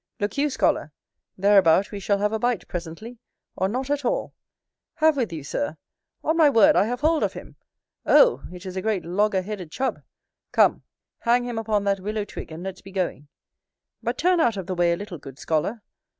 Look you, scholar, thereabout we shall have a bite presently, or not at all. Have with you, Sir: o' my word I have hold of him. Oh! it is a great logger headed Chub; come, hang him upon that willow twig, and let's be going. But turn out of the way a little, good scholar!